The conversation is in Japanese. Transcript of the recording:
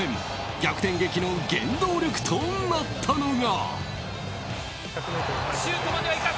逆転劇の原動力となったのが。